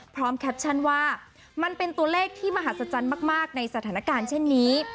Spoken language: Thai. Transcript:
แคปชั่นว่ามันเป็นตัวเลขที่มหัศจรรย์มากในสถานการณ์เช่นนี้